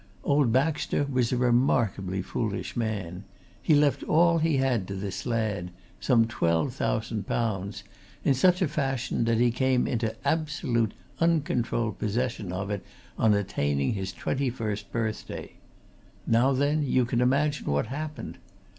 Old Baxter was a remarkably foolish man. He left all he had to this lad some twelve thousand pounds in such a fashion that he came into absolute, uncontrolled possession of it on attaining his twenty first birthday. Now then you can imagine what happened!